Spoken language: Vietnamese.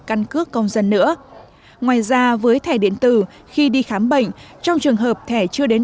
căn cước công dân nữa ngoài ra với thẻ điện tử khi đi khám bệnh trong trường hợp thẻ chưa đến